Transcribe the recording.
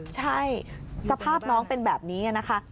ใช่สภาพน้องเป็นแบบนี้นะคะ